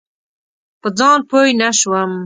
په ځان پوی نه شوم.